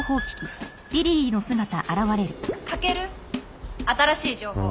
翔新しい情報。